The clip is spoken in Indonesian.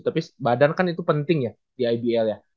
tapi badan kan itu penting ya di ibl ya